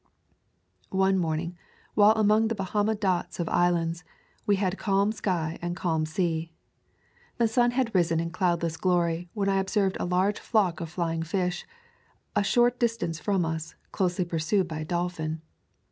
One morning, while among the Bahama dots of islands, we had calm sky and calm sea. The sun had risen in cloudless glory, when I ob served a large flock of flying fish, a short dis tance from us, closely pursued by a dolphin.